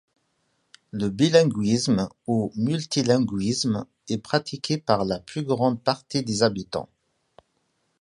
Le bilinguisme ou multilinguisme est pratiqué par la plus grande partie des habitants.